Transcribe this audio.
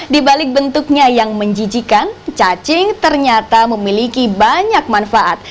di balik bentuknya yang menjijikan cacing ternyata memiliki banyak manfaat